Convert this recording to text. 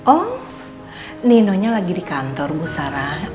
oh nino nya lagi di kantor bu sarah